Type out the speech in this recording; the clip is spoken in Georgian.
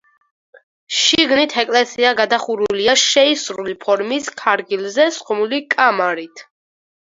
შიგნით ეკლესია გადახურულია შეისრული ფორმის, ქარგილზე სხმული კამარით.